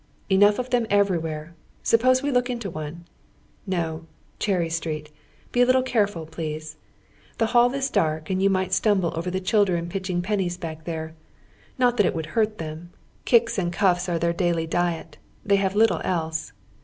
Enough of them everywhere. Suppose we look into one ? No. — Cherry Street. Be a little careful, please ! The hail is dark and you might stumble over the chil dren pitciiing pennies back there. Kot that it would hurt them ; kicks and enffs are their daily diet. They have lit tle else.